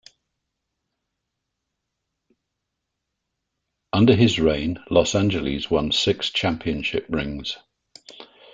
Under his reign, Los Angeles won six championship rings.